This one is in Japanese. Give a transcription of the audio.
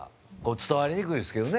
伝わりにくいですけどね。